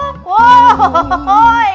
namun sepanjang hidup saya